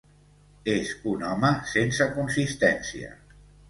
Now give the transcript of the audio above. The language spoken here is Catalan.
És un home sense consistència.